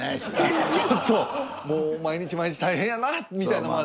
ちょっともう毎日毎日大変やなみたいなの。